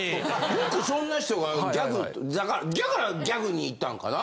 よくそんな人がギャグだからギャグに行ったんかな？